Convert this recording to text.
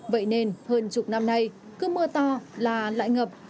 vậy nên hơn chục năm nay cứ mưa to là lại ngập